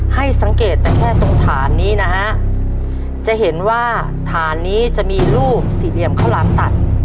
ให้สังเกตแต่แค่ตรงฐานนี้นะฮะจะเห็นว่าฐานนี้จะมีรูปสี่เหลี่ยมข้าวหลามตัด